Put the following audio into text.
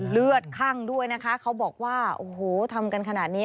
เลือดคั่งด้วยนะคะเขาบอกว่าโอ้โหทำกันขนาดนี้